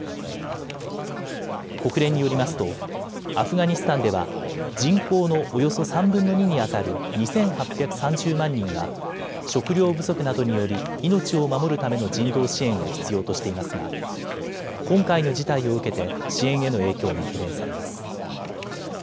国連によりますとアフガニスタンでは人口のおよそ３分の２にあたる２８３０万人が食料不足などにより命を守るための人道支援を必要としていますが今回の事態を受けて支援への影響が懸念されます。